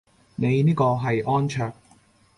你呢個係安卓